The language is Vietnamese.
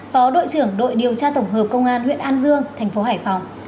phó đội trưởng đội điều tra tổng hợp công an huyện an dương thành phố hải phòng